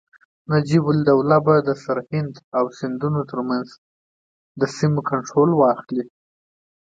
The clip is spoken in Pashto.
نجیب الدوله به د سرهند او سیندونو ترمنځ سیمو کنټرول واخلي.